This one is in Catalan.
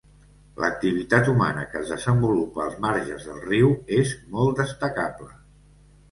L'activitat humana que es desenvolupa als marges del riu és molt destacable.